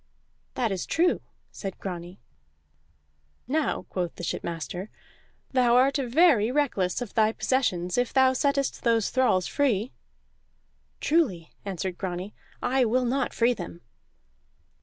"That is true," said Grani. "Now," quoth the shipmaster, "thou art very reckless of thy possessions if thou settest those thralls free." "Truly," answered Grani, "I will not free them."